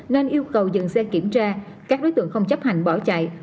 nên yêu cầu dừng xe kiểm tra các đối tượng không chấp hành bỏ chạy